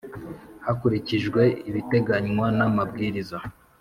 Hakurikijwe ibiteganywa n amabwiriza